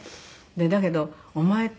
だけど「お前って」